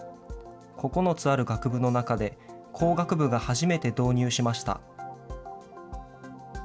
９つある学部の中で工学部が初めて導入しました。